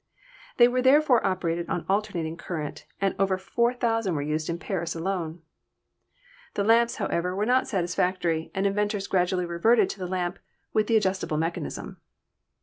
They were therefore operated on alternating current, and over 4,000 were in use in Paris alone. The lamps, however, were not satisfactory, and 228 ELECTRICITY inventors gradually reverted to the lamp with the adjust ing mechanism.